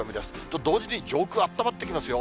と同時に上空、あったまってきますよ。